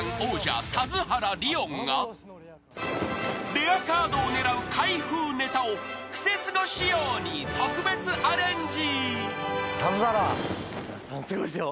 ［レアカードを狙う開封ネタを『クセスゴ』仕様に特別アレンジ］